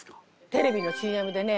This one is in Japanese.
テレビのＣＭでね